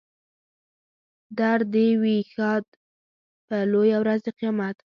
در دې وي ښاد په لویه ورځ د قیامت.